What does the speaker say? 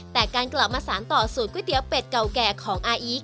แต่การกลับมาสารต่อสูตรก๋วยเตี๋ยวเป็ดเก่าแก่ของอาอีก